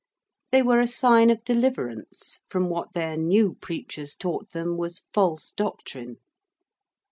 They were a sign of deliverance from what their new preachers taught them was false doctrine.